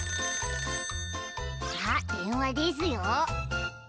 ☎あっでんわですよ。